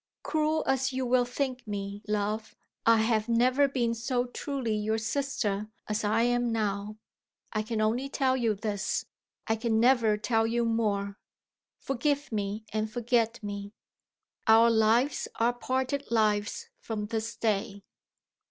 Cruel as you will think me, love, I have never been so truly your sister as I am now. I can only tell you this I can never tell you more. Forgive me, and forget me, our lives are parted lives from this day."